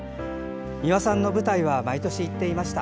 「美輪さんの舞台は毎年行っていました。